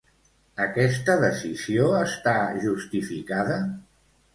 Aquesta decisió està justificada?